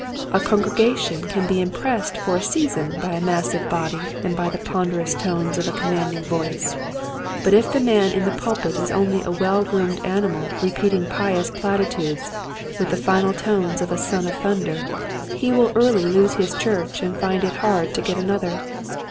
A congregation can be impressed for a season by a massive body and by the ponderous tones of a commanding voice, but if the man in the pulpit is only a well groomed animal repeating pious platitudes with the final tones of a Son of Thunder, he will early lose his church and find it hard to get another.